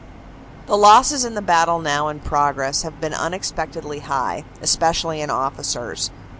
" The losses in the battle now in progress have been unex pectedly high, especially in officers.